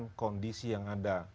dengan kondisi yang ada